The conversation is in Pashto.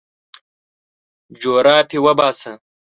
جرابې وباسه.